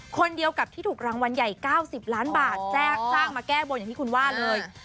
คนเดียวกับที่ถูกรางวัลใหญ่๙๐ล้านบาทจ้างมาแก้บนอย่างที่คุณว่าเลย